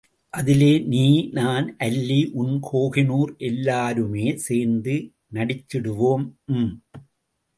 அதிலே நீ, நான், அல்லி, உன் கோஹினூர் எல்லாருமே சேர்ந்து நடிச்சிடுவோம்... ம்!